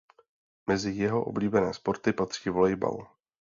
Mezi jeho oblíbené sporty patří volejbal.